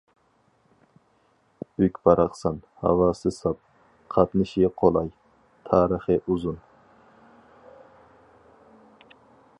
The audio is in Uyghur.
بۈك-باراقسان، ھاۋاسى ساپ، قاتنىشى قولاي، تارىخى ئۇزۇن.